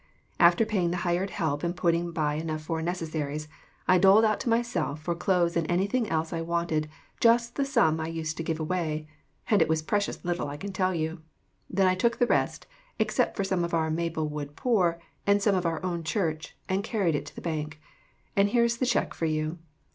After paying the hired help and putting by enough for necessaries, I doled out to myself, for clothes and anything else I wanted, just the sum I used to give away and it was precious little, I can tell you then I took the rest, except some to our Maplewood poor, and some for our own church, and carried it to the bank. And here is the check for you.